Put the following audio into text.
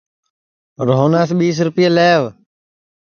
روہناس ٻیس رِپئے لیوَ